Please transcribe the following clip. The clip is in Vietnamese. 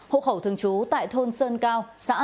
hộ khẩu thường chú tại thôn sơn cao xã gia tửa